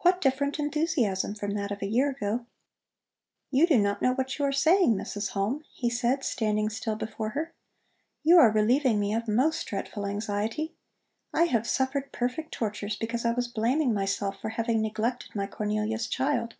What different enthusiasm from that of a year ago! "You do not know what you are saying, Mrs. Halm," he said, standing still before her. "You are relieving me of most dreadful anxiety. I have suffered perfect tortures, because I was blaming myself for having neglected my Cornelia's child.